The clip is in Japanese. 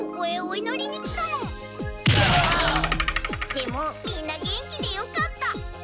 でもみんな元気でよかった！